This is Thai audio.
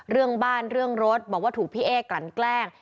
เรื่องบ้านเรื่องรถบอกว่าถูกพี่เอ๊กลั่นแกล้ง